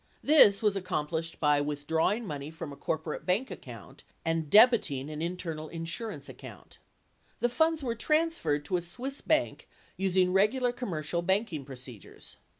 This was accom plished by withdrawing money from a corporate bank account and debiting an internal insurance account. The funds were transferred to a Swiss bank using regular commercial banking procedures.